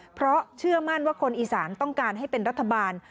เพราะเชื่อมั่นว่าคนอีสานต้องการให้เป็นรัฐบาล